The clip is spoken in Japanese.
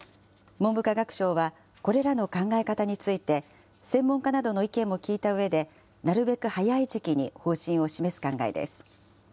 文部科学省は、これらの考え方について、専門家などの意見も聞いたうえで、なるべく早い時期に方針を示す考えです。